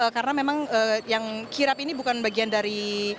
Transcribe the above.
karena memang yang kirap ini bukan bagian dari